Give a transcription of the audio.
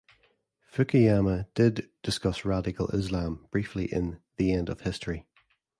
Fukuyama did discuss radical Islam briefly in "The End of History".